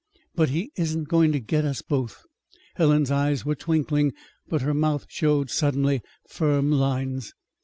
"But he isn't going to get us both!" Helen's eyes were twinkling, but her mouth showed suddenly firm lines.